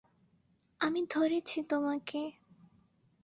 আমি ধরেছি তোমাকে।